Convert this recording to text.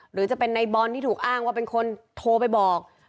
หรือจะเป็นในบอลที่ถูกอ้างว่าเป็นคนโทรไปบอก